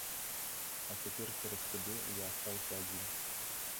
А цяпер цераз цябе я астаўся адзін.